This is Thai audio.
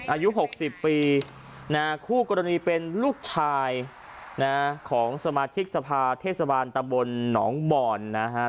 อายุ๖๐ปีคู่กรณีเป็นลูกชายของสมาธิกสภาเทศบาลตะบลหนองบ่อน